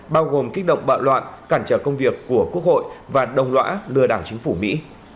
bao gồm kích động bạo loạn cản trở công việc của quốc hội và đồng lõa lừa đảo chính phủ mỹ